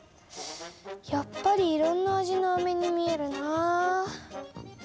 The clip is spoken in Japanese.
やっぱりいろんな味のアメに見えるなあ。